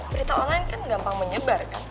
berita online kan gampang menyebar kan